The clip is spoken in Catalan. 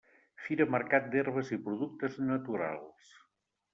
Fira Mercat d'Herbes i Productes Naturals.